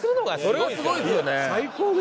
それがすごいっすよね。